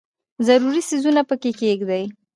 ضروري څیزونه پکې کښېږدي.